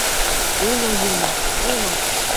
Уло юмо, уло!